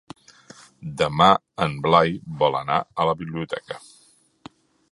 Demà en Blai vol anar a la biblioteca.